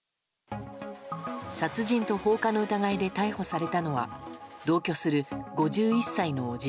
殺人と放火の疑いで逮捕されたのは同居する５１歳の伯父